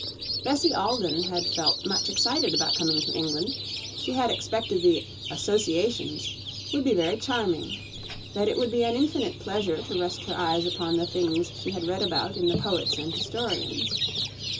Bessie Alden had felt much excited about coming to England; she had expected the "associations" would be very charming, that it would be an infinite pleasure to rest her eyes upon the things she had read about in the poets and historians.